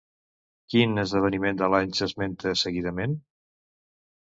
Quin esdeveniment de l'any s'esmenta seguidament?